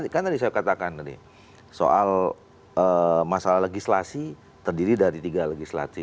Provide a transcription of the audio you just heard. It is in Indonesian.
kan tadi saya katakan tadi soal masalah legislasi terdiri dari tiga legislasi